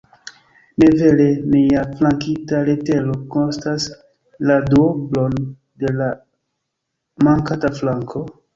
Ne vere, neafrankita letero kostas la duoblon de la mankanta afranko?